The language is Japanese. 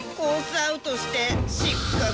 アウトして失格。